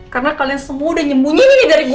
karena kalian semua udah nyembunyi ini dari gue